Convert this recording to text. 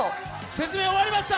説明終わりました。